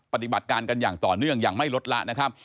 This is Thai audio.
ปฏิบัติการกันอย่างต่อเนื่องอย่างไม่ลดละนะครับ